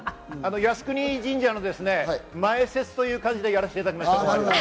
靖国神社の前説という感じでやらせていただきました。